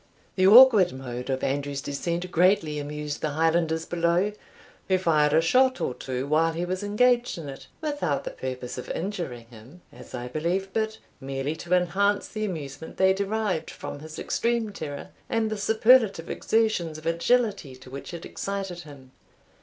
The awkward mode of Andrew's descent greatly amused the Highlanders below, who fired a shot or two while he was engaged in it, without the purpose of injuring him, as I believe, but merely to enhance the amusement they derived from his extreme terror, and the superlative exertions of agility to which it excited him.